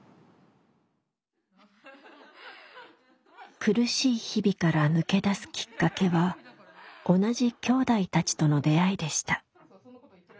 苦しい日々から抜け出すきっかけは同じきょうだいたちとの出会いでした。